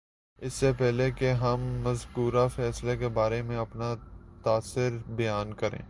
اس سے پہلے کہ ہم مذکورہ فیصلے کے بارے میں اپنا تاثر بیان کریں